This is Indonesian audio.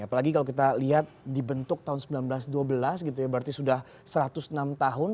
apalagi kalau kita lihat dibentuk tahun seribu sembilan ratus dua belas gitu ya berarti sudah satu ratus enam tahun